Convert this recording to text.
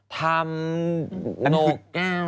ทำโรงจริง